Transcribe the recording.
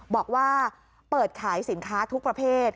บอกว่าเปิดขายสินค้าทุกประเภท